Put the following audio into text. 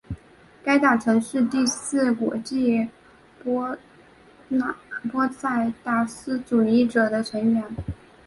该党曾是第四国际波萨达斯主义者的成员。